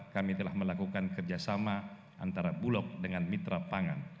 kami telah melakukan kerjasama antara bulog dengan mitra pangan